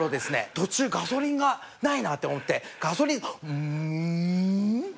途中ガソリンがないなって思ってガソリンうもぉ。